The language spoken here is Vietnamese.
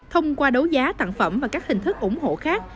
thông qua đấu giá tặng phẩm và các hình thức ủng hộ khác